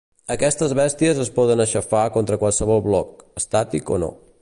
Aquestes bèsties es poden aixafar contra qualsevol bloc, estàtic o no.